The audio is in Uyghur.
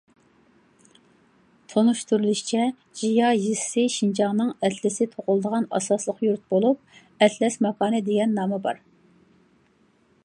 تونۇشتۇرۇلۇشىچە، جىيا يېزىسى شىنجاڭ ئەتلىسى توقۇلىدىغان ئاساسلىق يۇرت بولۇپ، ئەتلەس ماكانى دېگەن نامى بار.